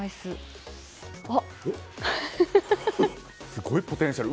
すごいポテンシャル！